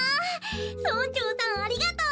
村長さんありがとう！